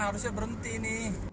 iya harusnya berhenti nih